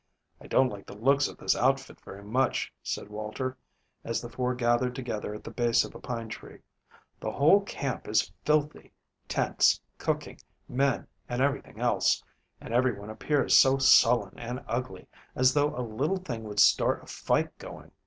"I don't like the looks of this outfit very much," said Walter, as the four gathered together at the base of a pine tree. "The whole camp is filthy tents, cooking, men, and everything else. And everyone appears so sullen and ugly, as though a little thing would start a fight going.